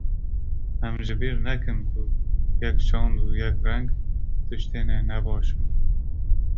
Em ji bîr nekin ku yekçand û yekreng tiştine ne baş in.